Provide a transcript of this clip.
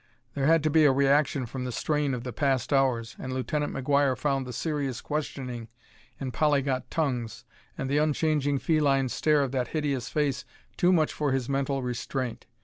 There had to be a reaction from the strain of the past hours, and Lieutenant McGuire found the serious questioning in polyglot tongues and the unchanging feline stare of that hideous face too much for his mental restraint.